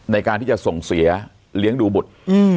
ในการที่จะส่งเสียเลี้ยงดูบุตร